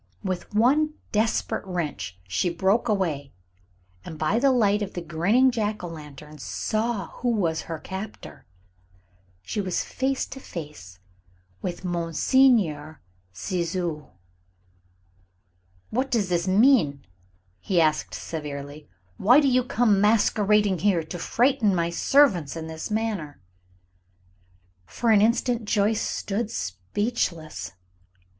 With one desperate wrench she broke away, and by the light of the grinning jack o' lantern saw who was her captor. She was face to face with Monsieur Ciseaux. "What does this mean?" he asked, severely. "Why do you come masquerading here to frighten my servants in this manner?" For an instant Joyce stood speechless.